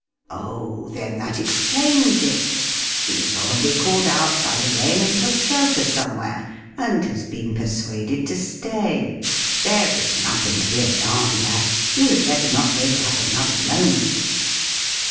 "Oh, then that explains it; she was probably caught out by the rain, and took shelter somewhere, and has been persuaded to stay. There is nothing to be alarmed at; you had better not wait up another moment."